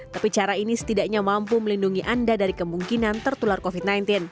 tapi cara ini setidaknya mampu melindungi anda dari kemungkinan tertular covid sembilan belas